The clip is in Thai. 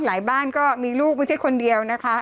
บ้านก็มีลูกไม่ใช่คนเดียวนะคะ